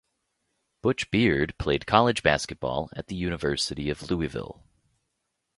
Butch Beard played college basketball at the University of Louisville.